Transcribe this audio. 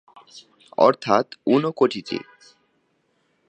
অর্থাৎ ঊনকোটিটি।